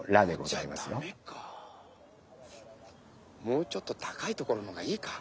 もうちょっと高いところの方がいいか。